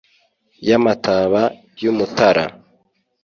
y'amataba y'umutara